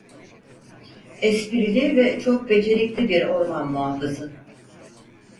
Esprili ve çok becerikli bir Orman Muhafızı.